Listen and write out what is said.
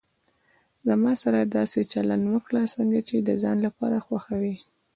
زما سره داسي چلند وکړه، څنګه چي د ځان لپاره خوښوي.